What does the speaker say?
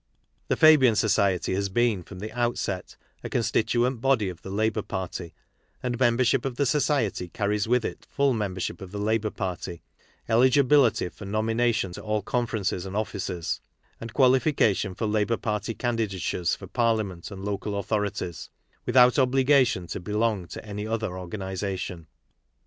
The Fabian Sqciety has been, from the outset, a constituent body of the Labour Party ; and membership of the Society carries with it full membership of the Labour Party, eligibility for nomination to all Conferences and Offices, and qualification for Labour Party candidatures for Parliament and Local Authorities, without obligation to belong ]to any other organization.